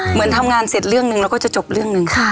เหมือนทำงานเสร็จเรื่องหนึ่งเราก็จะจบเรื่องหนึ่ง